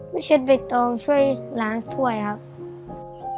ไม่ใช่ใบตองช่วยล้างถ้วยครับ